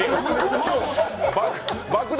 爆弾